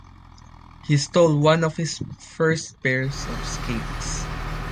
He stole one of his first pairs of skates.